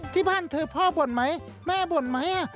ที่บ้านเธอพ่อบ่นไหมแม่บ่นไหม